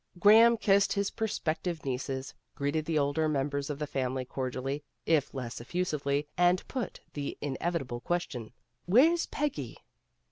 Graham kissed his prospective nieces, greeted the older members of the family cordially, if less effusively, and put the in evitable question, " Where's Peggy?"